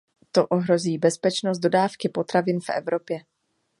To ohrozí bezpečnost dodávky potravin v Evropě.